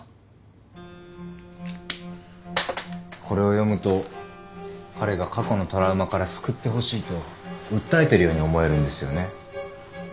これを読むと彼が過去のトラウマから救ってほしいと訴えてるように思えるんですよね。